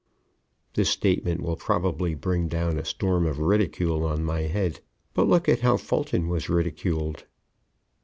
This statement will probably bring down a storm of ridicule on my head, but look at how Fulton was ridiculed.